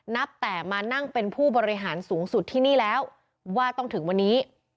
นับแต่มานั่งเป็นผู้บริหารสูงสุดที่นี่แล้วว่าต้องถึงวันนี้